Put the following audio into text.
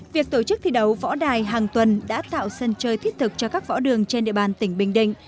việc tổ chức thi đấu võ đài hàng tuần đã tạo sân chơi thiết thực cho các võ đường trên địa bàn tỉnh bình định